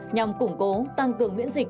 nhằm củng cố tăng cường miễn dịch